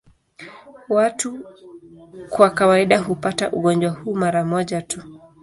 Watu kwa kawaida hupata ugonjwa huu mara moja tu.